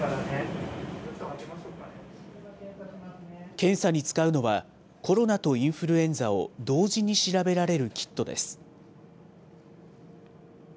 検査に使うのは、コロナとインフルエンザを同時に調べられるキットです。